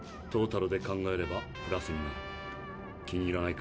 トータルで考えればプラスになる。